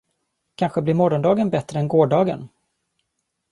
Kanske blir morgondagen bättre än gårdagen.